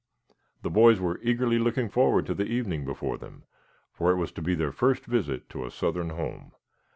The boys were eagerly looking forward to the evening before them, for it was to be their first visit to a southern home.